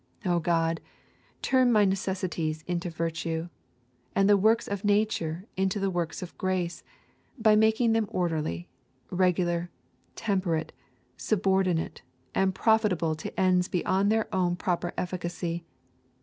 O God, turn my necessities into virtue, and the works of nature into the works of grace, by making them orderly, regular, temperate, subordinate, and profitable to ends beyond their own proper efficacy.